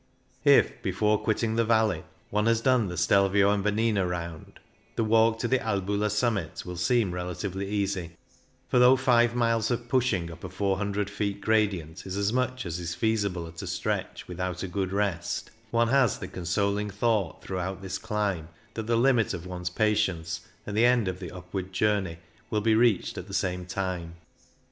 If, before quitting the valley, one has done the Stelvio and Bernina round, the walk to the Albula summit will seem relatively easy; for though five miles of pushing up a 400 feet gradient is as much as is feasible at a stretch without a good rest, one has the conspling thought throughout this climb that the limit of one's patience and the end of the upward journey will be reached at the same time.